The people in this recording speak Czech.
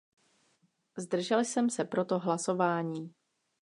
Zdržel jsem se proto hlasování.